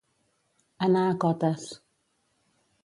Anar a Cotes.